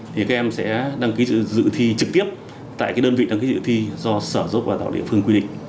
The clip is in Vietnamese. thì các em sẽ đăng ký giữ thi trực tiếp tại cái đơn vị đăng ký giữ thi do sở giúp và tạo địa phương quy định